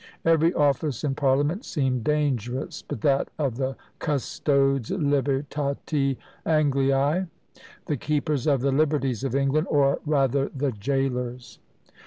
Every office in parliament seemed "dangerous," but that of the "Custodes libertatis Angliæ," the keepers of the liberties of England! or rather "the gaolers!"